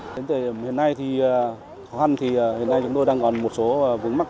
đến từ hiện nay thì khó hăn thì hiện nay chúng tôi đang còn một số vướng mắc